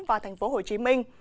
và thành phố hồ chí minh